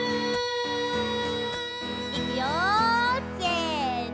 いくよせの。